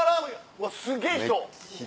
うわすげぇ人！